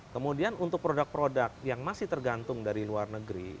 kemudian untuk produk produk yang masih tergantung dari luar negeri